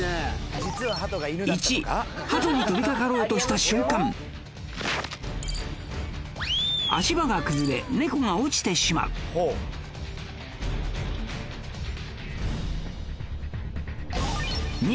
１ハトに飛びかかろうとした瞬間足場が崩れ猫が落ちてしまう２